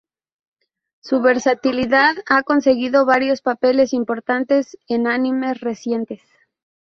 Su versatilidad ha conseguido varios papeles importantes en animes recientes.